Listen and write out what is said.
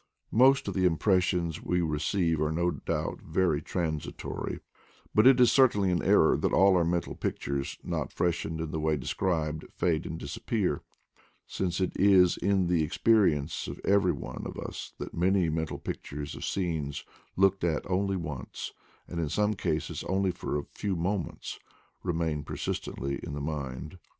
Most of the impressions we receive are no doubt very transitory, but it is cer tainly an error that all our mental pictures, not freshened in the way described, fade and disap pear, since it is in the experience of every one of us that many mental pictures of scenes looked at once only, and in some cases only for a few moments, remain persistently in the mind.